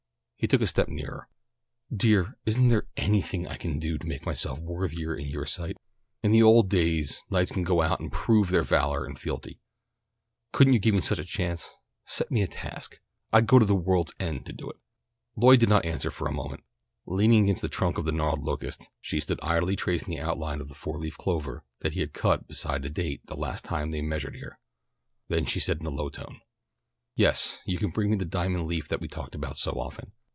He took a step nearer. "Dear, isn't there anything I could do to make myself worthier in your sight? In the old days knights could go out and prove their valour and fealty. Couldn't you give me some such chance? Set me a task? I'd go to the world's end to do it!" Lloyd did not answer for a moment. Leaning against the trunk of the gnarled locust, she stood idly tracing the outline of the four leaf clover that he had cut beside the date the last time they measured there. Then she said in a low tone: "Yes, you can bring me the diamond leaf that we've talked about so often.